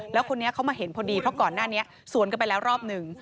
แล้วคนนี้เขามาเห็นพอดีเพราะก่อนหน้านี้สวนกันไปแล้วรอบหนึ่ง